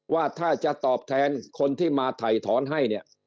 ว่าถ้าจะตอบแทนคนที่มาถ่ายถอนให้เนี่ย